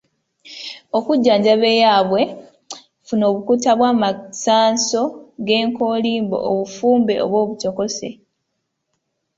Okujjanjaba eyaabwe, funa obukuta bw’amasanso g’enkoolimbo obufumbe oba obutokose.